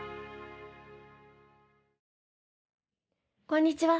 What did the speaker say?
こんにちは。